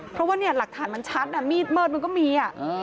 เพราะว่าเนี่ยหลักฐานมันชัดมีดมืดมันก็มี